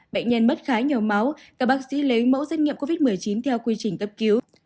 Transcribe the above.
bệnh nhân mất khá nhiều máu các bác sĩ lấy mẫu xét nghiệm covid một mươi chín theo quy trình cấp cứu